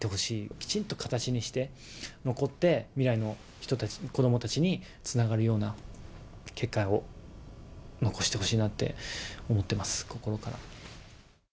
きちんと形にして残って、未来の人たち、子どもたちにつながるような結果を残してほしいなって思ってます、心から。